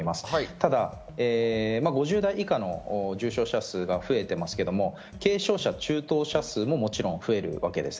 ただ５０代以下の重症者数が増えていますけど、軽症者、中等者数ももちろん増えるわけです。